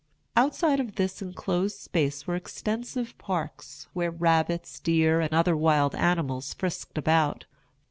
Outside of this enclosed space were extensive parks, where rabbits, deer, and other wild animals frisked about.